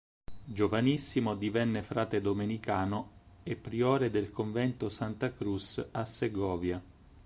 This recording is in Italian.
Giovanissimo, divenne frate domenicano e priore del convento "Santa Cruz" a Segovia.